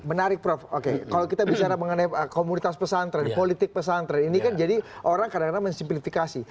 menarik prof oke kalau kita bicara mengenai komunitas pesantren politik pesantren ini kan jadi orang kadang kadang mensimplifikasi